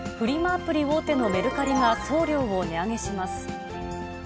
アプリ大手のメルカリが送料を値上げします。